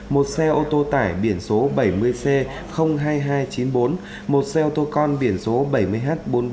một xe ô tô tải biển số bảy mươi c hai nghìn hai trăm chín mươi bốn một xe ô tô con biển số bảy mươi h bốn nghìn bốn trăm năm mươi năm